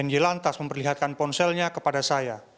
n y lantas memperlihatkan ponselnya kepada saya